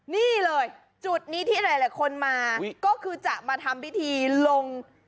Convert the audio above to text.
นี่เลยจุดนี้ที่หลายคนมาก็คือจะมาทำพิธีลง